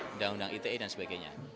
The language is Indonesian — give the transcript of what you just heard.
undang undang ite dan sebagainya